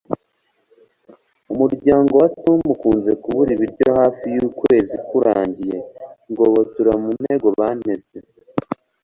Umuryango wa Tom ukunze kubura ibiryo hafi yukwezi kurangiye Ngobotora mu mutego banteze